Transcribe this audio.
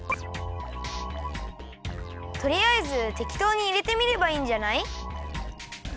とりあえずてきとうにいれてみればいいんじゃない？